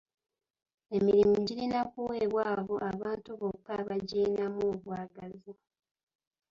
Emirimu girina kuweebwa abo abantu bokka abagiyinamu obwagazi.